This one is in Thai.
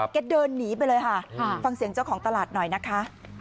เดินหนีไปเลยค่ะฟังเสียงเจ้าของตลาดหน่อยนะคะ